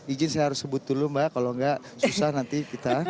izin saya harus sebut dulu mbak kalau enggak susah nanti kita